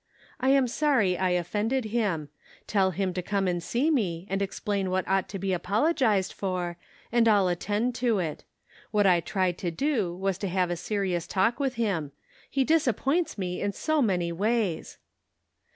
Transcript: I am sorry I offended him. Tell him to come and see me, and explain what ought to be apologized for, and I'll at tend to it. What I tried to do was to have a serious talk with him ; he disappoints me in so many ways."